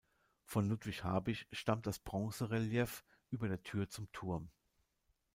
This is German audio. Von Ludwig Habich stammt das Bronzerelief über der Tür zum Turm.